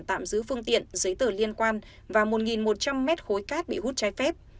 tạm giữ phương tiện giấy tờ liên quan và một một trăm linh mét khối cát bị hút trái phép